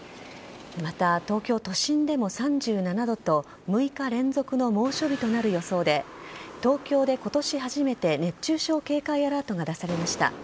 また東京都心でも３７度と６日連続の猛暑日となる予想で東京で今年初めて熱中症警戒アラートが出されました。